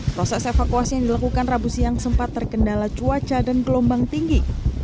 proses evakuasi yang dilakukan rabu siang sempat terkendala cuaca dan gelombang tinggi